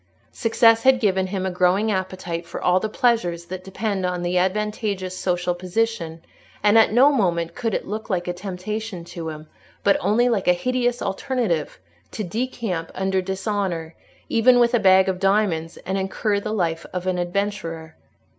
Success had given him a growing appetite for all the pleasures that depend on an advantageous social position, and at no moment could it look like a temptation to him, but only like a hideous alternative, to decamp under dishonour, even with a bag of diamonds, and incur the life of an adventurer.